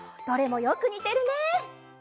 どれもよくにてるね！